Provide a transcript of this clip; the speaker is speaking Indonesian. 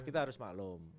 kita harus maklum